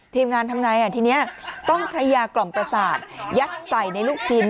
ทีมงานทำไงทีนี้ต้องใช้ยากล่อมประสาทยัดใส่ในลูกชิ้น